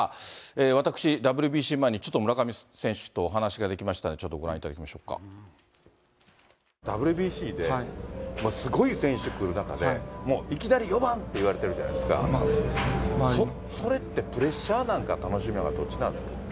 私、ＷＢＣ前に、ちょっと村上選手とお話ができましたので、ちょっとご覧いただきＷＢＣで、すごい選手来る中で、もういきなり４番って言われてるじゃないですか、それって、プレッシャーなのか、楽しみなのか、どっちなんですか？